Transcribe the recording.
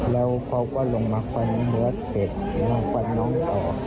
แล้วเขาก็ลงมาควันเบอร์ดเสร็จแล้วควันน้องต่อ